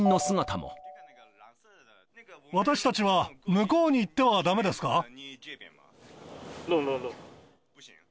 私たちは向こうに行ってはだめですか？